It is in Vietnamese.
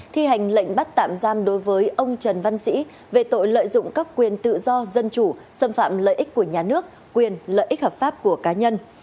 thi hành lệnh bắt tạm giam đối với ông trần văn sĩ về tội lợi dụng các quyền tự do dân chủ xâm phạm lợi ích của nhà nước quyền lợi ích hợp pháp của cá nhân